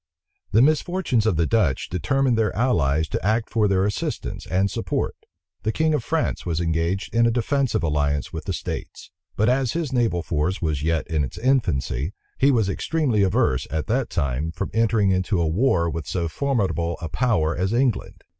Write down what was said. The misfortunes of the Dutch determined their allies to act for their assistance and support. The king of France was engaged in a defensive alliance with the states; but as his naval force was yet in its infancy, he was extremely averse, at that time, from entering into a war with so formidable a power as England.